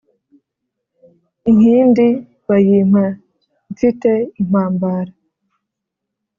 Inkindi bayimpa mfite impambara,